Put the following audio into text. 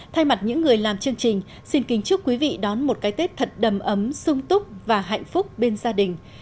thay mặt những người làm chương trình xin kính chúc quý vị đón một cái tết thật đầm ấm sung túc và hạnh phúc bên gia đình